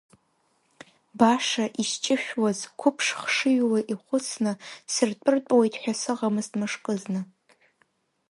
Баша исҷышәуаз, қәыԥш хшыҩла ихәыцны, сыртәыртәуеит ҳәа сыҟамызт мышкызны!